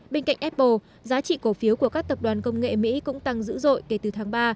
bên cạnh apple giá trị cổ phiếu của các tập đoàn công nghệ mỹ cũng tăng dữ dội kể từ tháng ba